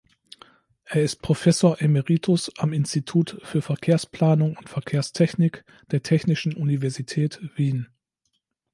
Er ist Professor emeritus am Institut für Verkehrsplanung und Verkehrstechnik der Technischen Universität Wien.